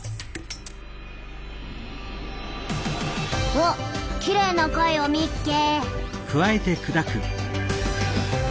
「おっきれいな貝をみっけ！」。